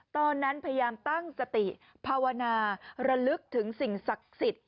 ตอนนั้นพยายามตั้งสติภาวนาระลึกถึงสิ่งศักดิ์สิทธิ์